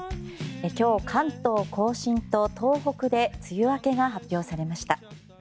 今日、関東・甲信と東北で梅雨明けが発表されました。